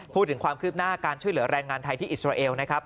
พูดถึงความคืบหน้าการช่วยเหลือแรงงานไทยที่อิสราเอลนะครับ